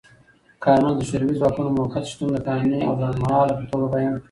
کارمل د شوروي ځواکونو موقت شتون د قانوني او لنډمهاله په توګه بیان کړ.